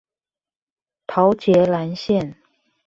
桃捷藍線